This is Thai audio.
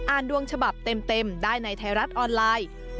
อ่านดวงฉบับเต็มเต็มได้ในไทยรัฐออนไลน์